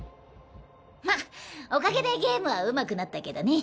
まっおかげでゲームはうまくなったけどね。